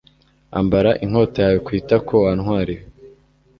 ambara inkota yawe ku itako, wa ntwari we